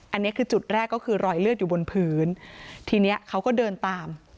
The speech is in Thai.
อันนี้คือจุดแรกก็คือรอยเลือดอยู่บนพื้นทีเนี้ยเขาก็เดินตาม